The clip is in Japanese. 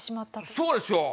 そうですよ！